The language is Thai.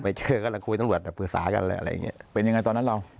ไม่เจอก็คุยตัวหวัดปรึกษากันอะไรอย่างเงี้ยเป็นยังไงตอนนั้นเรา